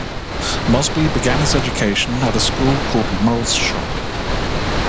Mosby began his education at a school called Murrell's Shop.